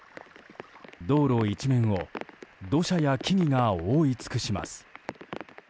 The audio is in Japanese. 道路一面を土砂や木々が覆い尽くします。